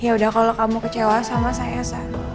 yaudah kalau kamu kecewa sama saya sa